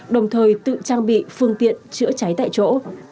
đồng thời tự trang bị phương tiện chữa cháy tại chỗ